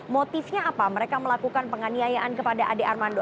motifnya apa mereka melakukan penganiayaan kepada ade armando